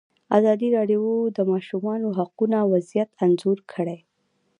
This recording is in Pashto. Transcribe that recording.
ازادي راډیو د د ماشومانو حقونه وضعیت انځور کړی.